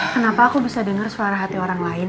kenapa aku bisa dengar suara hati orang lain